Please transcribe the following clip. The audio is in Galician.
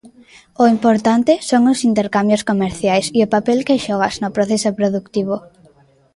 O importante son os intercambios comerciais e o papel que xogas no proceso produtivo.